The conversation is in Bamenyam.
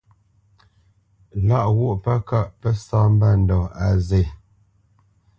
Lâʼ ghwô pə́ kâʼ pə́ sá mbândɔ̂ á zê.